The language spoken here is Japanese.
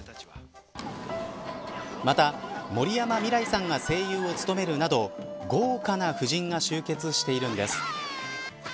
また森山未來さんが声優を務めるなど豪華な布陣が集結しているんです。